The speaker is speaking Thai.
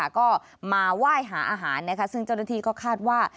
ก็มาไหว้หาอาหารซึ่งเจ้าหน้าที่ก็คาดว่า